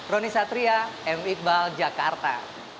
roni satria m iqbal jakarta